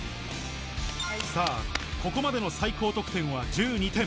さあ、ここまでの最高得点は１２点。